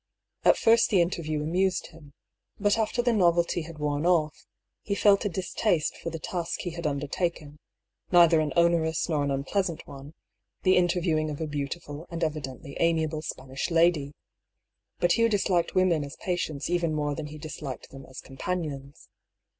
At first the interview amused him ; but after the novelty had worn off, he felt a distaste for the task he had undertaken, neither an onerous nor an unpleasant one, the inter viewing of a beautiful and evidently amiable Spanish lady. But Hugh disliked women as patients even more than he disliked them as companions.